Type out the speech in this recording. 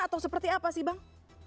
atau seperti apa sih bang